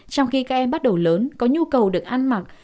trong khi các em bắt đầu lớn có nhu cầu được ăn mặc